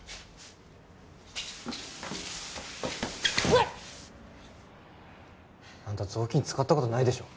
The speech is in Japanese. うわっ！あんた雑巾使ったことないでしょ